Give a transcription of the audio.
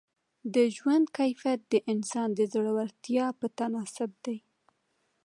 د ژوند کیفیت د انسان د زړورتیا په تناسب دی.